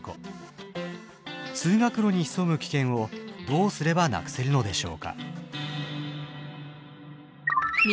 通学路に潜む危険をどうすればなくせるのでしょうか？